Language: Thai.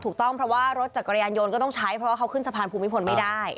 ถูกต้องเพราะว่ารถจักรยานยนต์ก็ต้องใช้เพราะว่าเขาขึ้นสะพานภูมิพลไม่ได้